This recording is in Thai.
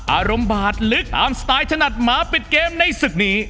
อารมณ์บาดลึกตามสไตล์ถนัดหมาปิดเกมในศึกนี้